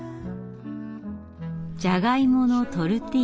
じゃがいものトルティージャ。